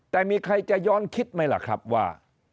แต่มีใครจะย้อนคิดไหมล่ะครับว่า